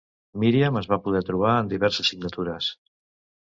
Miriam es va poder trobar en diverses signatures.